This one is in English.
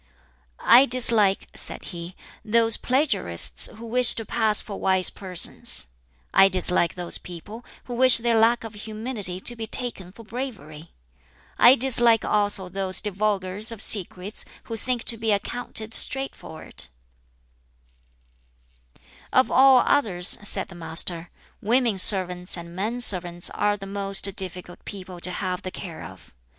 "I dislike," said he, "those plagiarists who wish to pass for wise persons. I dislike those people who wish their lack of humility to be taken for bravery. I dislike also those divulgers of secrets who think to be accounted straightforward." "Of all others," said the Master, "women servants and men servants are the most difficult people to have the care of.